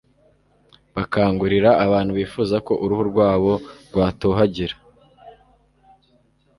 Bakangurira abantu bifuza ko uruhu rwabo rwatohagira